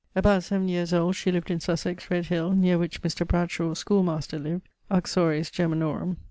About 7 yeares old she lived in Sussex, Redhill, neer which Mr. Bradshaw, schoolmaster, lived uxores germanorum.